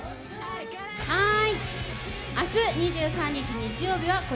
はい！